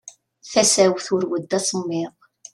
Tasa-w turew-d asemmiḍ.